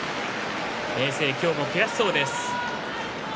明生、今日も悔しそうです。